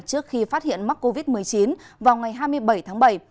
trước khi phát hiện mắc covid một mươi chín vào ngày hai mươi bảy tháng bảy